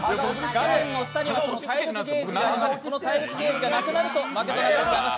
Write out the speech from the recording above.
画面の下には体力ゲージがあります、この体力ゲージがなくなると負けとなります